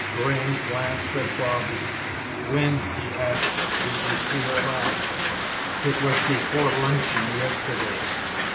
Graham glanced at Bobby. "When," he asked, "did you see her last?" "It was before luncheon yesterday."